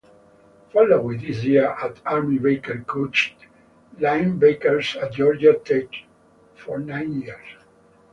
Following his year at Army Baker coached linebackers at Georgia Tech for nine years.